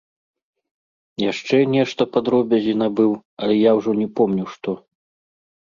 Яшчэ нешта па дробязі набыў, але я ўжо не помню што.